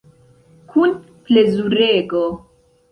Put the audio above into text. Kun plezurego.